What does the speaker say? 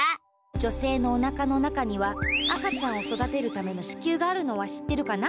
女せいのおなかの中には赤ちゃんをそだてるための子宮があるのは知ってるかな？